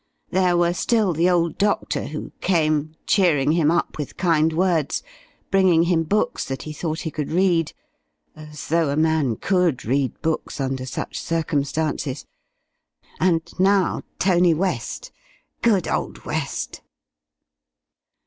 There were still the old doctor, who came, cheering him up with kind words, bringing him books that he thought he could read as though a man could read books, under such circumstances and now Tony West good old West!